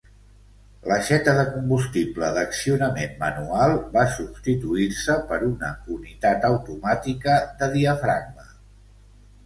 L'aixeta de combustible d'accionament manual va substituir-se per una unitat automàtica de diafragma.